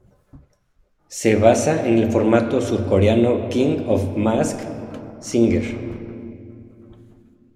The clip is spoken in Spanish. Se basa en el formato surcoreano King of Mask Singer.